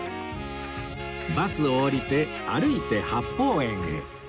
バスを降りて歩いて八芳園へ